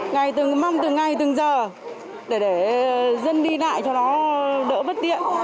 ngày từng mong từng ngày từng giờ để dân đi lại cho nó đỡ bất tiện